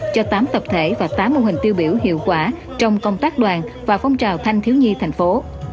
cho tám tập thể và tám mô hình tiêu biểu hiệu quả trong công tác đoàn và phong trào thanh thiếu nhi thành phố